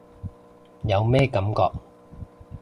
有咩感覺？